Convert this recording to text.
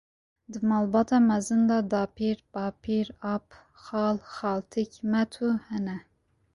Di malbata mezin de dapîr, babîr, ap, xal, xaltîk, met û hene.